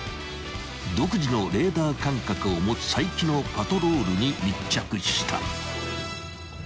［独自のレーダー感覚を持つ齋木のパトロールに密着した］